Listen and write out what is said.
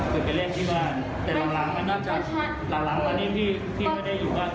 เคยไปเล่นที่บ้านแต่หลังตอนนี้พี่ไม่ได้อยู่บ้าน